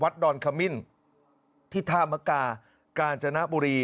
ดอนขมิ้นที่ท่ามกากาญจนบุรี